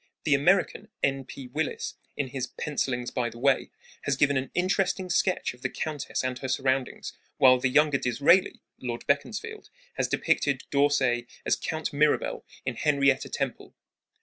The American, N. P. Willis, in his Pencilings by the Way, has given an interesting sketch of the countess and her surroundings, while the younger Disraeli (Lord Beaconsfield) has depicted D'Orsay as Count Mirabel in Henrietta Temple.